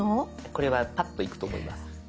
これはパッといくと思います。